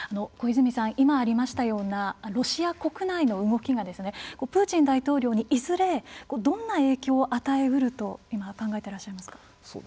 小泉さん今ありましたようなロシア国内の動きがプーチン大統領にいずれどんな影響を与えうると今考えてらっしゃいますか。